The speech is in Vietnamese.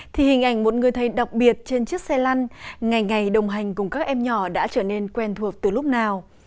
thì hình ảnh một người thầy đặc biệt trên chiếc xe lăn ngày ngày đồng hành cùng các em nhỏ đã trở nên quen thuộc từ lúc nào